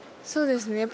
そうですね。